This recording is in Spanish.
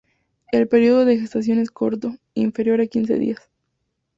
El periodo de gestación es corto, inferior a quince días.